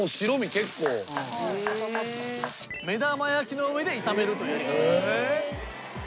目玉焼きの上で炒めるというやり方。